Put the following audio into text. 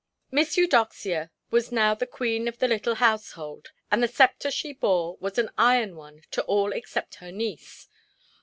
Miss Eudoxia was now the queen of the little household, and the sceptre she bore was an iron one to all except her niece.